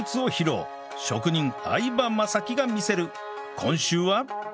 今週は？